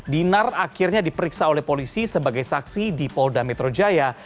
dinar akhirnya diperiksa oleh polisi sebagai saksi di polda metro jaya